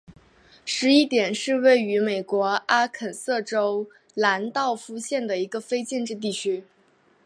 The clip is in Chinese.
十一点是位于美国阿肯色州兰道夫县的一个非建制地区。